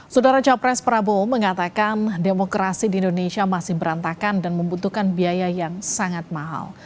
sudara capres prabowo mengatakan demokrasi di indonesia masih berantakan dan membutuhkan biaya yang sangat mahal